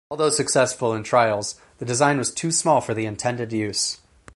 Although successful in trials the design was too small for the intended use.